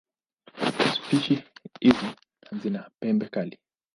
Spishi hizi zina pembe kali.